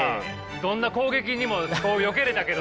どんな攻撃にもこうよけれたけどさ。